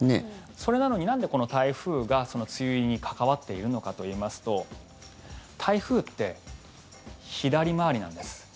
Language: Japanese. それなのに、なんでこの台風が梅雨入りに関わっているのかといいますと台風って左回りなんです。